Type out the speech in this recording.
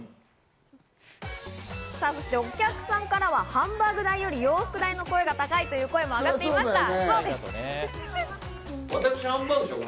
そしてお客さんからはハンバーグ代よりも洋服代のほうが高いという声も上がっていました。